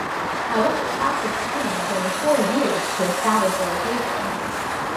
However, Bassett's term was only four years to establish a rotation.